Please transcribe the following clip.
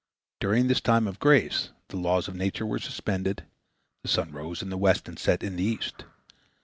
During this time of grace, the laws of nature were suspended, the sun rose in the west and set in the east.